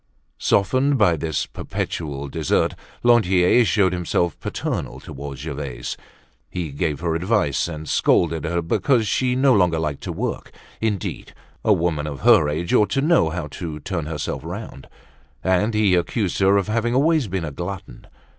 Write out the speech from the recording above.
Softened by this perpetual dessert, Lantier showed himself paternal towards Gervaise. He gave her advice and scolded her because she no longer liked to work. Indeed! A woman of her age ought to know how to turn herself round. And he accused her of having always been a glutton.